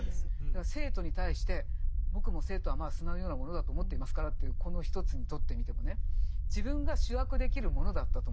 だから生徒に対して僕も生徒はまあ砂のようなものだと思っていますからというこの一つにとってみてもねすごいですね。